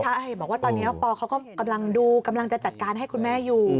ใช่บอกว่าตอนนี้ปอเขาก็กำลังดูกำลังจะจัดการให้คุณแม่อยู่